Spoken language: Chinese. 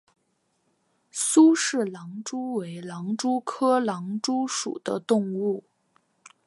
苏氏狼蛛为狼蛛科狼蛛属的动物。